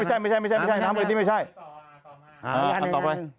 อันนี้น้ำมาต่อเลย